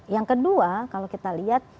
yang kedua kalau kita lihat